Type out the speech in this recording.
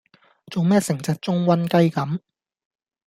做咩成隻舂瘟雞咁